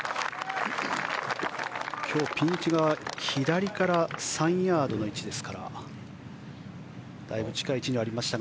今日、ピン位置が左から３ヤードの位置ですからだいぶ近い位置にありました。